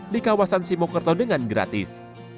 di kawasan simokerto dengan gratis